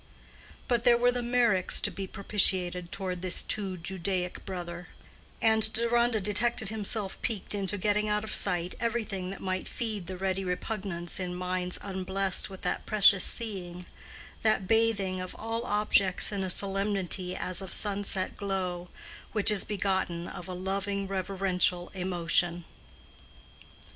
But there were the Meyricks to be propitiated toward this too Judaic brother; and Deronda detected himself piqued into getting out of sight everything that might feed the ready repugnance in minds unblessed with that precious "seeing," that bathing of all objects in a solemnity as of sun set glow, which is begotten of a loving reverential emotion.